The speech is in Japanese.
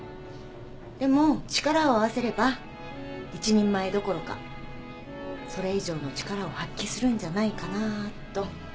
でも力を合わせれば一人前どころかそれ以上の力を発揮するんじゃないかなと。